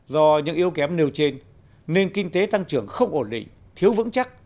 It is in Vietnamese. do những yếu kém nêu trên nền kinh tế tăng trưởng không ổn định thiếu vững chắc